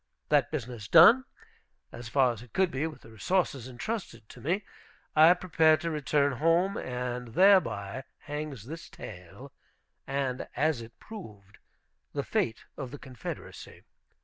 That business done, as far as it could be with the resources intrusted to me, I prepared to return home. And thereby hangs this tale, and, as it proved, the fate of the Confederacy.